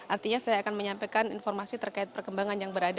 artinya saya akan menyampaikan informasi terkait perkembangan yang berada